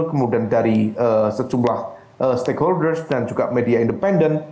kemudian dari sejumlah stakeholders dan juga media independen